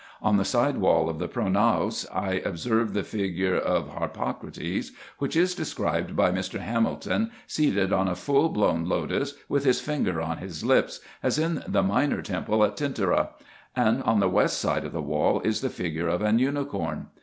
On the side wall of the pronaos I observed the figure of Harpocrates which is described bv Mr. Hamilton, seated on a full blown lotus, with his finger on his lips, as in the minor temple at Tentyra ; and on the west side of the wall is the figure of an unicorn.